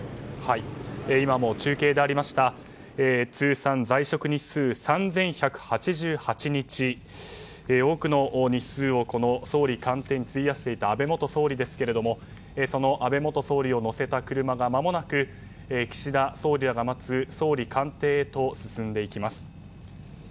今も中継でありました通算在職日数３１８８日多くの日数をこの総理官邸に費やしていた安倍元総理ですがその安倍元総理を乗せた車がまもなく岸田総理らが待つ総理官邸へと進んでいきます。